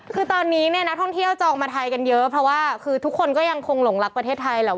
คือตอนนี้เนี่ยนักท่องเที่ยวจองมาไทยกันเยอะเพราะว่าคือทุกคนก็ยังคงหลงรักประเทศไทยแหละ